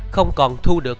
không còn thu được